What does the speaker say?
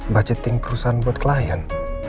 budgeting perusahaan buat klien